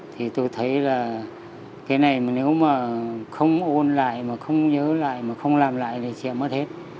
thì tôi thấy là cái này mà nếu mà không ôn lại mà không nhớ lại mà không làm lại thì chị mất hết